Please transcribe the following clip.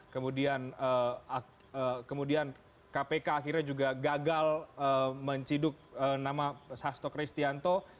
kemudian kpk akhirnya juga gagal menciduk nama sasto kristianto